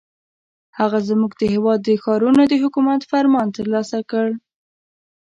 هغه زموږ د هېواد د ښارونو د حکومت فرمان ترلاسه کړ.